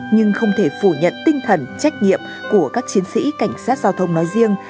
nhưng không thể phủ nhận tinh thần trách nhiệm của các chiến sĩ cảnh sát giao thông nói riêng